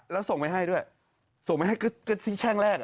แล้วส่งไปให้ด้วยส่งไปให้ก็ที่แช่งแรก